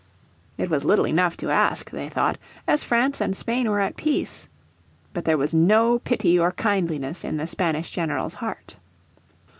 It was little enough to ask, they thought, as France and Spain were at peace. But there was no pity or kindliness in the Spanish general's heart.